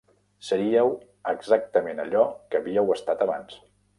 Seríeu exactament allò que havíeu estat abans.